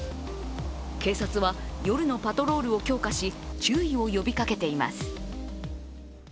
警察は夜のパトロールを強化し注意を呼びかけています。